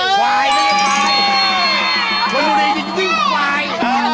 มันรู้ได้จริงวิ่งฟาย